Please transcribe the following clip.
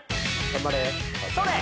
頑張れ！